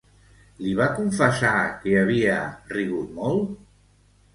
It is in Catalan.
Li va confessar que havia rigut molt?